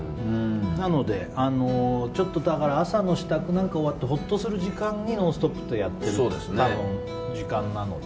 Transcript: なので、朝の支度なんか終わってほっとする時間に「ノンストップ！」ってやっている時間なので。